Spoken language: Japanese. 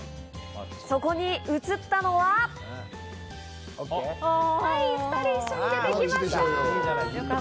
そこに映ったのは、２人一緒に出てきました。